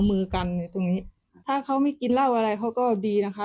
มือกันในตรงนี้ถ้าเขาไม่กินเหล้าอะไรเขาก็ดีนะคะ